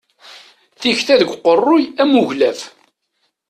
Tikta deg uqerruy am uglaf.